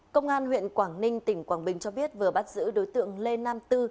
công an huyện quảng ninh tỉnh quảng bình cho biết vừa bắt giữ đối tượng lê nam tư